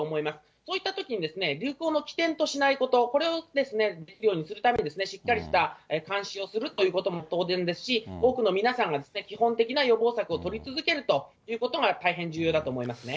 そういったときに、流行の起点としないこと、これをするために、しっかりした監視をするということも当然ですし、多くの皆さんが、基本的な予防策を取り続けるということが大変重要だと思いますね。